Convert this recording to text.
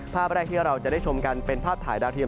ภาพแรกที่เราจะได้ชมกันเป็นภาพถ่ายดาวเทียม